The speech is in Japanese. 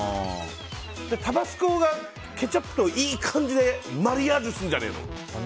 タバスコが、ケチャップといい感じでマリアージュするんじゃないの？